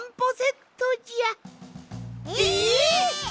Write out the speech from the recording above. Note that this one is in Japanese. え！？